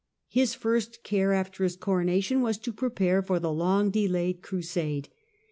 His first care after his coronation was to prepare for the long delayed Crusade.